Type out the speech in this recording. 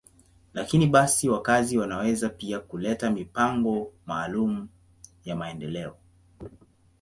Lakini basi, wakazi wanaweza pia kuleta mipango maalum ya maendeleo.